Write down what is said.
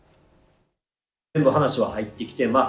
全部話は入ってきてます。